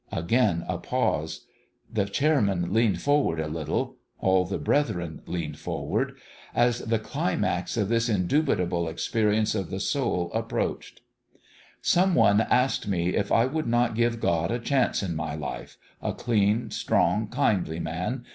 " Again a pause : the chairman leaned forward a little all the brethren leaned forward as the ?44 IN HIS OWN BEHALF climax of this indubitable experience of the soul approached. " Somebody asked me if I would not give God a chance in my life a clean, strong, kindly man